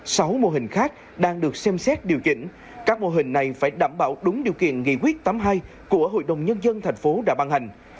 sáu mô hình khác đang được xem xét điều chỉnh các mô hình này phải đảm bảo đúng điều kiện nghị quyết tám mươi hai của hội đồng nhân dân thành phố đã ban hành